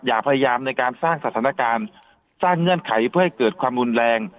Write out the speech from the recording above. อย่าพยายามในการสร้างสถานการณ์สร้างเงื่อนไขเพื่อให้เกิดความรุนแรง